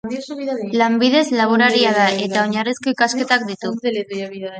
Lanbidez laboraria da eta oinarrizko ikasketak ditu.